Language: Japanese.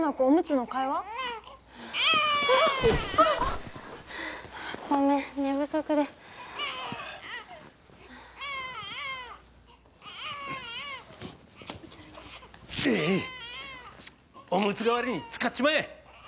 おむつ代わりに使っちまえ！